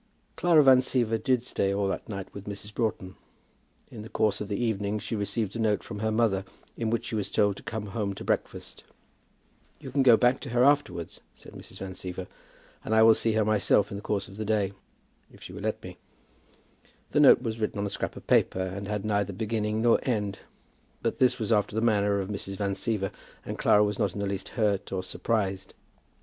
Clara Van Siever did stay all that night with Mrs. Broughton. In the course of the evening she received a note from her mother, in which she was told to come home to breakfast. "You can go back to her afterwards," said Mrs. Van Siever; "and I will see her myself in the course of the day, if she will let me." The note was written on a scrap of paper, and had neither beginning nor end; but this was after the manner of Mrs. Van Siever, and Clara was not in the least hurt or surprised.